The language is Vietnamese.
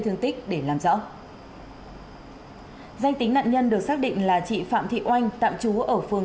thương tích để làm rõ danh tính nạn nhân được xác định là chị phạm thị oanh tạm trú ở phường